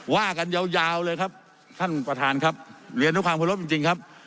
ว่ากันยาวเลยครับท่านประธานครับเรียนทุกความภูมิรับจริงครับ